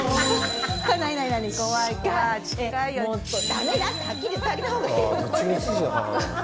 駄目だってはっきり言ってあげた方がいいよ！